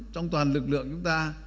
trong toàn lực lượng chúng ta